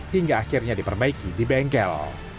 hingga akhirnya diperbaiki di bengkel